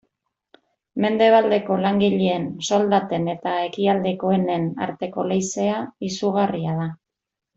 Mendebaldeko langileen soldaten eta ekialdekoenen arteko leizea izugarria da.